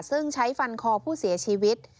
ซึ่งใช้ฟันคอผู้เสียชีวิต